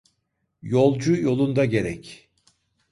Yolcu yolunda gerek.